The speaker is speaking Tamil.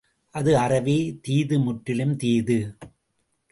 அது அறவே தீது முற்றிலும் தீது.